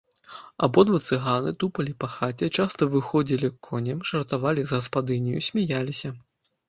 Абодва цыганы тупалі па хаце, часта выходзілі к коням, жартавалі з гаспадыняю, смяяліся.